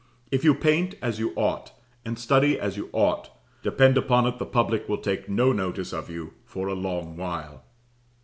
If you paint as you ought, and study as you ought, depend upon it the public will take no notice of you for a long while.